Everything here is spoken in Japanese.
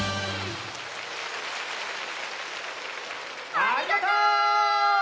ありがとう！